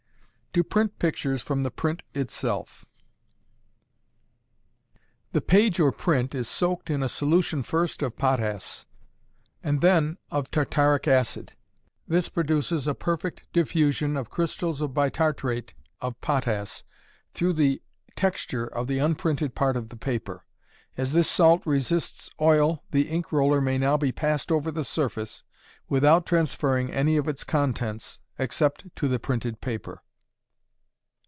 To Print Pictures from the Print Itself. The page or print is soaked in a solution first of potass, and then of tartaric acid. This produces a perfect diffusion of crystals of bitartrate of potass through the texture of the unprinted part of the paper. As this salt resists oil, the ink roller may now be passed over the surface, without transferring any of its contents, except to the printed paper.